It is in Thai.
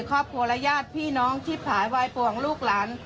ครอบครัวและญาติพี่น้องที่ผายวายปวงลูกหลาน